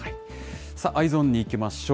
Ｅｙｅｓｏｎにいきましょう。